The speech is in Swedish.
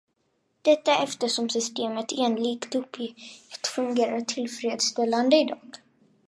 Detta eftersom systemet enligt uppgift fungerar tillfredsställande i dag.